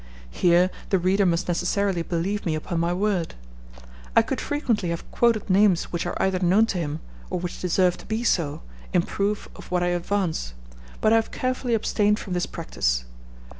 Here the reader must necessarily believe me upon my word. I could frequently have quoted names which are either known to him, or which deserve to be so, in proof of what I advance; but I have carefully abstained from this practice.